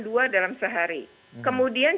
dua dalam sehari kemudian